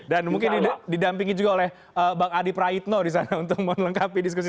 dan mungkin didampingi juga oleh bang adi praitno disana untuk menelengkapi diskusi